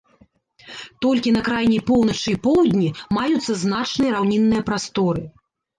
Толькі на крайняй поўначы і поўдні маюцца значныя раўнінныя прасторы.